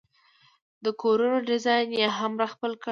د کورونو ډیزاین یې هم را خپل کړل.